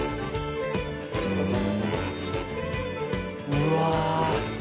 うわ！